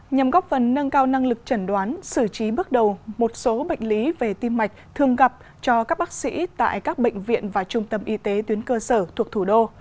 nhằm góp phần nâng cao năng lực chẩn đoán xử trí bước đầu một số bệnh lý về tim mạch thường gặp cho các bác sĩ tại các bệnh viện và trung tâm y tế tuyến cơ sở thuộc thủ đô